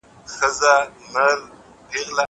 زه هره ورځ قلم استعمالوم!